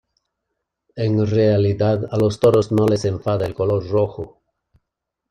En realidad a los toros no les enfada el color rojo.